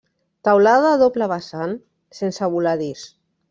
Teulada a doble vessant sense voladís.